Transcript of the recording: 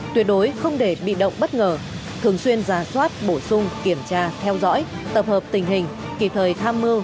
tuyệt đối không để bị động bất ngờ thường xuyên giả soát bổ sung kiểm tra theo dõi tập hợp tình hình kịp thời tham mưu